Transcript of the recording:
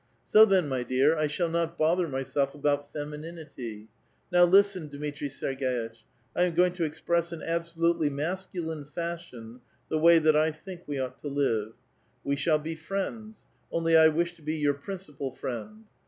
*' So, then, my dear, I shall not bother myself about fem ininity' ; now listen, Dmitri Sergei tch, I am going to express in absolutely masculine fashion the way that I think we ought tx> live. We shall be friends ; only I wish to be your princi pal friend.